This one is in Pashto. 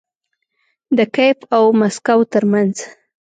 د کیف او مسکو ترمنځ